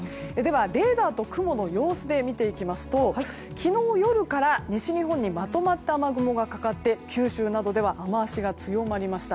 レーダーと雲の様子で見ていきますと昨日夜から西日本にまとまった雨雲がかかって九州などでは雨脚が強まりました。